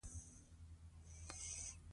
افغاني لښکر ماتې نه خوړله.